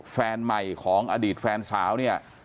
แฟนใหม่ของอดีตแฟนสาวเนี่ย